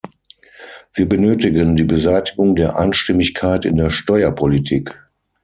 Wir benötigen die Beseitigung der Einstimmigkeit in der Steuerpolitik.